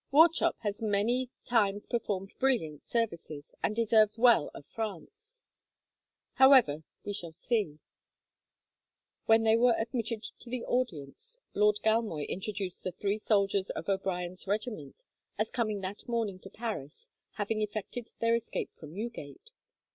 Wauchop has many times performed brilliant services, and deserves well of France. However, we shall see." When they were admitted to the audience, Lord Galmoy introduced the three soldiers of O'Brien's regiment as coming that morning to Paris, having effected their escape from Newgate.